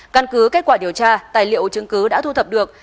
căn cứ kết quả điều tra tài liệu chứng cứ đã thu thập được